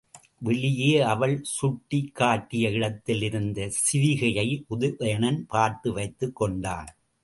வெளியே அவள் சுட்டிக் காட்டிய இடத்தில் இருந்த சிவிகையை உதயணன் பார்த்து வைத்துக் கொண்டான்.